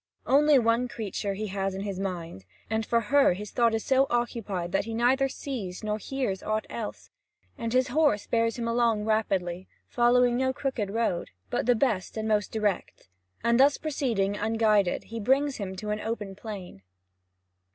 Only one creature he has in mind, and for her his thought is so occupied that he neither sees nor hears aught else. And his horse bears him along rapidly, following no crooked road, but the best and the most direct; and thus proceeding unguided, he brings him into an open plain.